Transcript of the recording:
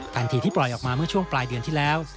ที่ปล่อยออกมาเมื่อช่วงปลายเดือนที่แล้ว